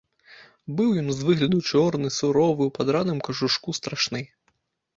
Быў ён з выгляду чорны, суровы, у падраным кажушку страшны.